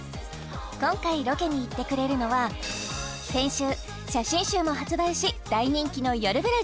今回ロケに行ってくれるのは先週写真集も発売し大人気の「よるブラ」